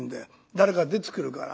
誰か出てくるから。